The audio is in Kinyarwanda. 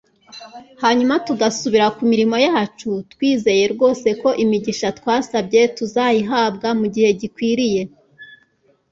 Hanyuma tugasubira ku mirimo yacu twizeye rwose ko imigisha twasabye tuzayihabwa mu gihe gikwiye.